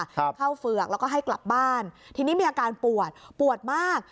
เข้าเฝือกแล้วก็ให้กลับบ้านทีนี้มีอาการปวดปวดมาก